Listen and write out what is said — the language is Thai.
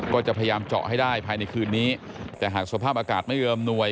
ก็จะพยายามเจาะให้ได้ภายในคืนนี้แต่หากสภาพอากาศไม่เอิมหน่วย